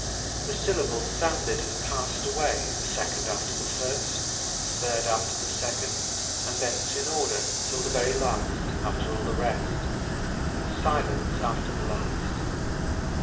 The syllables sounded and passed away, the second after the first, the third after the second, and thence in order, till the very last after all the rest; and silence after the last.